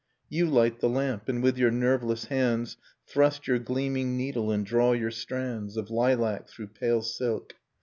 i You light the lamp, and with your nerveless hands i Thrust your gleaming needle and draw your strands i Of lilac through pale silk